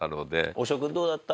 大塩君どうだった？